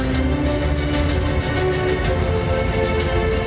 ก็ไม่รู้ก็ดูกันไป